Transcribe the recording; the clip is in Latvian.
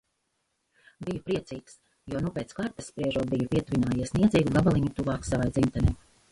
Biju priecīgs, jo nu, pēc kartes spriežot, biju pietuvojies niecīgu gabaliņu tuvāk savai dzimtenei.